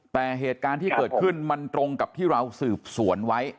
แต่เหตุการณ์ที่เกิดขึ้นมันตรงกับที่เราสืบสวนไว้